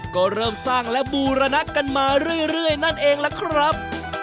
ก็เริ่มสร้างและบูรณะกันมาเรื่อยนั่นเองล่ะครับ